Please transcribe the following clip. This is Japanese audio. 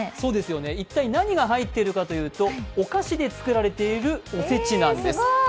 一体何が入っているかというとお菓子で作られているお節なんです。